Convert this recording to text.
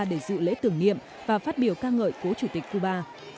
để dự lễ tưởng niệm và phát biểu ca ngợi cố chủ tịch cuba